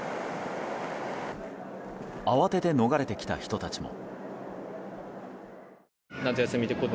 慌てて逃れてきた人たちも。